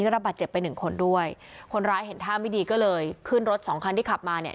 ระบาดเจ็บไปหนึ่งคนด้วยคนร้ายเห็นท่าไม่ดีก็เลยขึ้นรถสองคันที่ขับมาเนี่ย